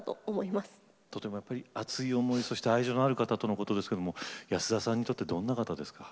とてもやっぱり熱い思いそして愛情のある方とのことですけど保田さんにとってどんな方ですか？